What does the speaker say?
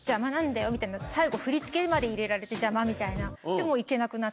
最後振り付けまで入れられて邪魔！みたいな。